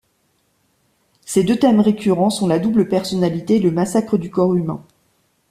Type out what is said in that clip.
Ses deux thèmes récurrents sont la double personnalité et le massacre du corps humain.